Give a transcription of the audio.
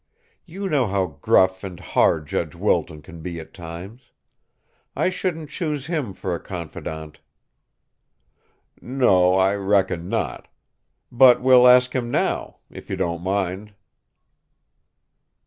You know how gruff and hard Judge Wilton can be at times. I shouldn't choose him for a confidant." "No; I reckon not. But we'll ask him now if you don't mind."